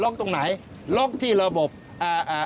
การตั้งเงื่อนไขผู้เข้าประมูลมีความขัดแย้งในส่วนคุณสมบัติดังกล่าวว่า